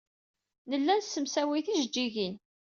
Nella nessemsaway tijejjigin.